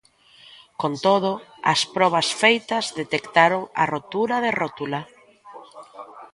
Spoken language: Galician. Con todo, as probas feitas detectaron a rotura de rótula.